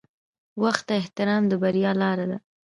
• وخت ته احترام د بریا لاره ده.